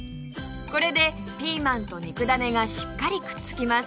これでピーマンと肉だねがしっかりくっつきます